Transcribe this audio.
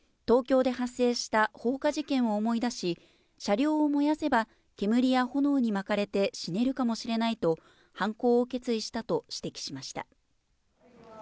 東京で発生した放火事件を思い出し、車両を燃やせば、煙や炎にまかれて死ねるかもしれないと、犯行を決意したと指摘しました。